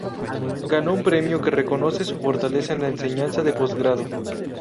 Ganó un premio que reconoce su fortaleza en la enseñanza de postgrado.